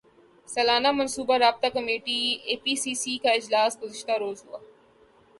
سالانہ منصوبہ رابطہ کمیٹی اے پی سی سی کا اجلاس گزشتہ روز ہوا